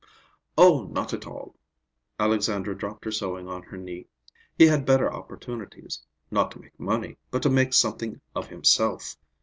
"Oh, not at all!" Alexandra dropped her sewing on her knee. "He had better opportunities; not to make money, but to make something of himself.